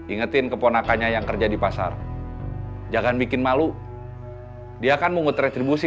ingetin keponakannya yang kerja di pasar jangan bikin malu dia akan mengutretribusi